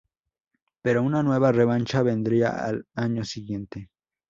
Pero, una nueva revancha vendría al año siguiente.